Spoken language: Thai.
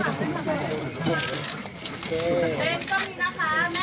ขอบคุณครับ